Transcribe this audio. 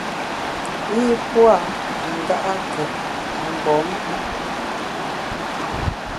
Yi pua’ nda’két mgbom.